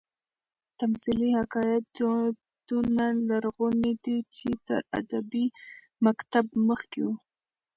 تمثيلي حکایت دونه لرغونى دئ، چي تر ادبي مکتب مخکي وو.